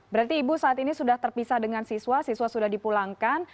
berarti ibu saat ini sudah terpisah dengan siswa siswa sudah dipulangkan